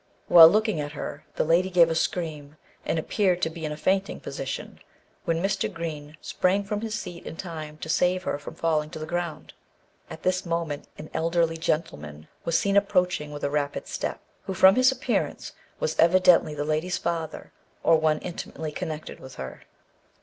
While looking at her, the lady gave a scream, and appeared to be in a fainting position, when Mr. Green sprang from his seat in time to save her from falling to the ground. At this moment, an elderly gentleman was seen approaching with a rapid step, who, from his appearance, was evidently the lady's father, or one intimately connected with her.